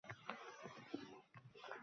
Kostyumini elkasiga taglab, chiqib ketdi